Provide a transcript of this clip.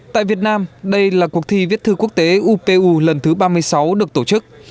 tại việt nam đây là cuộc thi viết thư quốc tế upu lần thứ ba mươi sáu được tổ chức